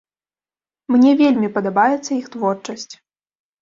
Мне вельмі падабаецца іх творчасць.